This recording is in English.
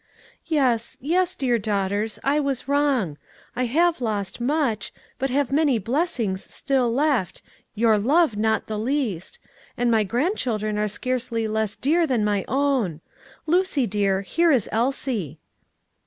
"Yes, yes, dear daughters, I was wrong: I have lost much, but have many blessings still left, your love not the least; and my grandchildren are scarcely less dear than my own. Lucy, dear, here is Elsie."